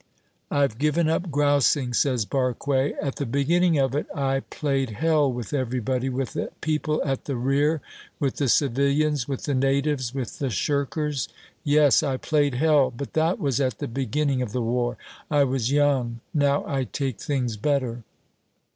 "I've given up grousing," says Barque. "At the beginning of it, I played hell with everybody with the people at the rear, with the civilians, with the natives, with the shirkers. Yes, I played hell; but that was at the beginning of the war I was young. Now, I take things better."